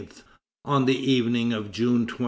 on the evening of June 21.